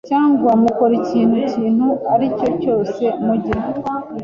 cyangwa mukora ikindi kintu icyo ari cyo cyose mujye